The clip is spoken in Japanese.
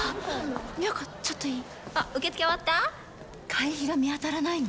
会費が見当たらないの。